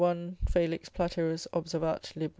Felix Platerus observat. lib.